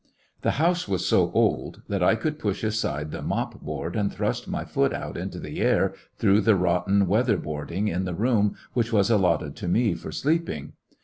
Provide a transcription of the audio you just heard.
The house was so old that I could push aside the mop board and thrust my foot out into the air through the rotten weather boarding in the room which was allotted to me for sleeping.